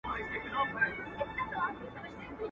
o هيڅ چا د مور په نس کي شى نه دئ زده کری.